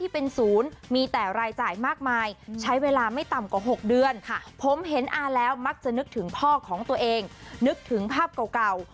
ผมเห็นอาแล้วมักจะนึกถึงพ่อของตัวเองนึกถึงภาพเก่า